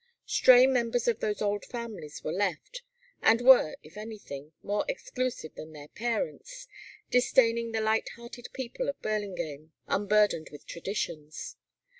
Stray members of those old families were left, and were, if anything, more exclusive than their parents, disdaining the light hearted people of Burlingame, unburdened with traditions.